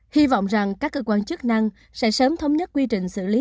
hy vọng rằng các cơ quan chức năng sẽ sớm thống nhất quy trình xử lý